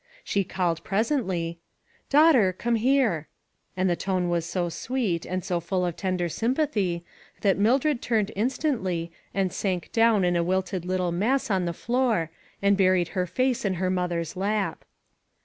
She called presently :" Daughter, come here." And the tone was so sweet, and so full of tender sympathy, that Mildred turned instantly and sank down in a wilted little mass on the floor, and buried her face in her mother's lap.